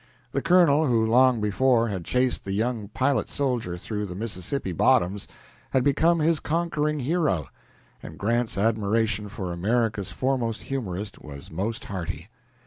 The colonel who long before had chased the young pilot soldier through the Mississippi bottoms had become his conquering hero, and Grant's admiration for America's foremost humorist was most hearty.